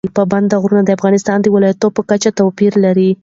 پابندی غرونه د افغانستان د ولایاتو په کچه توپیر لري.